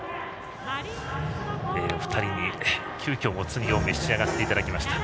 お二人に急きょ、もつ煮を召し上がっていただきました。